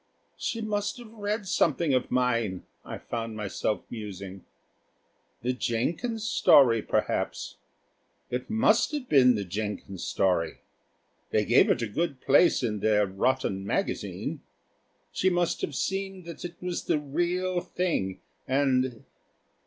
"She must have read something of mine," I found myself musing: "the Jenkins story perhaps. It must have been the Jenkins story; they gave it a good place in their rotten magazine. She must have seen that it was the real thing, and...."